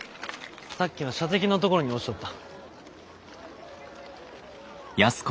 さっきの射的の所に落ちとった。